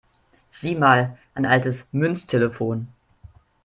Sieh mal, ein altes Münztelefon!